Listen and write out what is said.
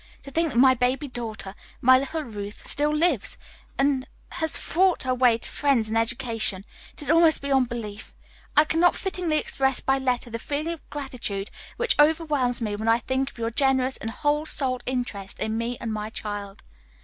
To think that my baby daughter, my little Ruth, still lives, and has fought her way to friends and education. It is almost beyond belief. I cannot fittingly express by letter the feeling of gratitude which overwhelms me when I think of your generous and whole souled interest in me and my child.